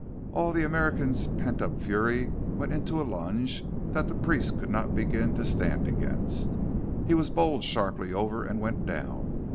All the American's pent up fury went into a lunge that the priest could not begin to stand against. He was bowled sharply over and went down.